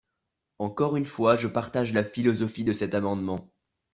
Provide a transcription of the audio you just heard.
Encore une fois, je partage la philosophie de cet amendement.